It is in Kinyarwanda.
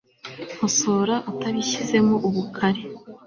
nkosora, utabishyizemo ubukare